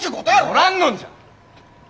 載らんのんじゃ！